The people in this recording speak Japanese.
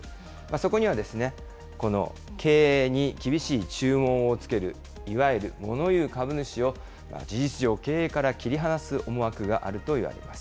そこにはこの経営に厳しい注文をつける、いわゆるもの言う株主を事実上、経営から切り離す思惑があるといわれます。